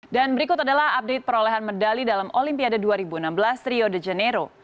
dan berikut adalah update perolehan medali dalam olimpiade dua ribu enam belas rio de janeiro